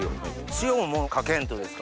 塩もかけんとですか？